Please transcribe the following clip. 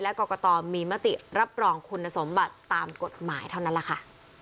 กรกตมีมติรับรองคุณสมบัติตามกฎหมายเท่านั้นแหละค่ะ